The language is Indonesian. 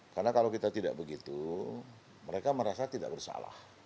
karena kalau kita tidak begitu mereka merasa tidak bersalah